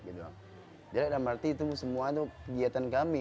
jelek dalam arti semua itu kegiatan kami